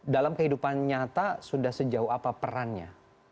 dalam kehidupan nyata sudah sejauh apa perannya